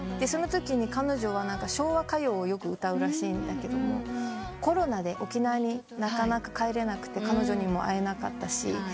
そのときに彼女は昭和歌謡をよく歌うらしいんだけどもコロナで沖縄になかなか帰れなくて彼女にも会えなかったし。